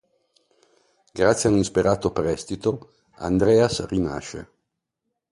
Grazie all'insperato prestito, Andreas rinasce.